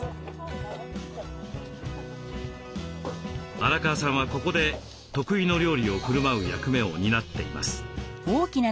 荒川さんはここで得意の料理をふるまう役目を担っています。